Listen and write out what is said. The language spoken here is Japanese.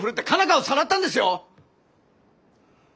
花をさらったんですよ！